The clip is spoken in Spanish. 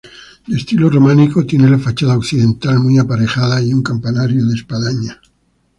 De estilo románico, tiene la fachada occidental muy aparejada y un campanario de espadaña.